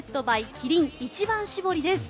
キリン一番搾り」です。